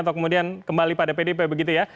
atau kemudian kembali pada pdp begitu ya